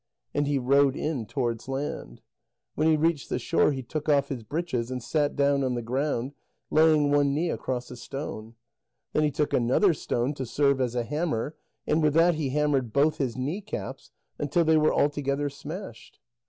And he rowed in towards land. When he reached the shore, he took off his breeches, and sat down on the ground, laying one knee across a stone. Then he took another stone to serve as a hammer, and with that he hammered both his knee caps until they were altogether smashed.